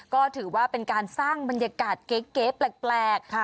ก็ถือว่าเป็นการสร้างบรรยากาศเก๋แปลก